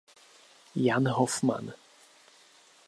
Jan Hofmann.